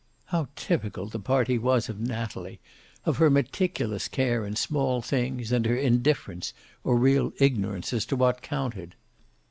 How typical the party was of Natalie, of her meticulous care in small things and her indifference or real ignorance as to what counted.